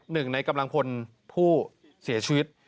หนึ่งในกำลังพลผู้เสียชีวิต